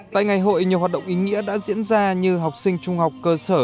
tại ngày hội nhiều hoạt động ý nghĩa đã diễn ra như học sinh trung học cơ sở